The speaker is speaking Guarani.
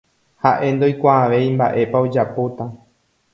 ha'e ndoikuaavéi mba'épa ojapóta